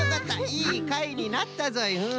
いいかいになったぞい。